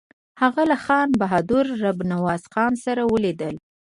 هغه له خان بهادر رب نواز خان سره ولیدل.